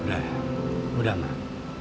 udah udah mbak